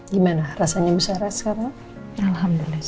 gimana rasanya bisa res karena sudah baik